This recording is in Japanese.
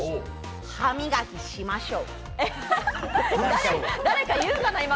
歯磨きしましょう。